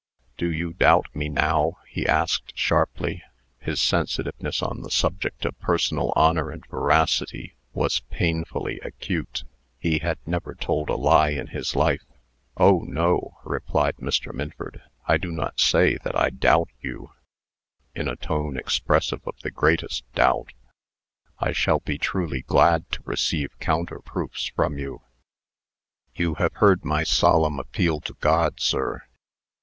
"Do you doubt me now?" he asked, sharply. His sensitiveness on the subject of personal honor and veracity was painfully acute. He had never told a lie in his life. "Oh! no," replied Mr. Minford; "I do not say that I doubt you" (in a tone expressive of the greatest doubt). "I shall be truly glad to receive counter proofs from you." "You have heard my solemn appeal to God, sir.